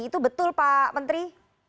itu betul pak menteri